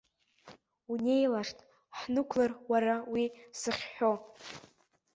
Унеилашт, ҳнықәлар, уара уи сыхьҳәо.